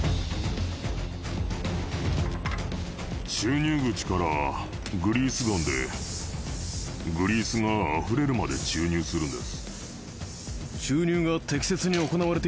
入口からグリースガンでグリースがあふれるまで注入するんです